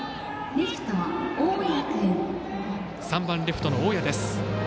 ３番、レフトの大矢です。